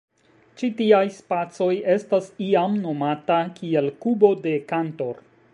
Ĉi tiaj spacoj estas iam nomata kiel kubo de Cantor.